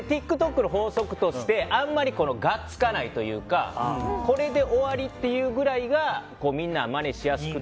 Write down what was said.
ＴｉｋＴｏｋの法則としてあんまり、がっつかないというかこれで終わりっていうくらいが何なの？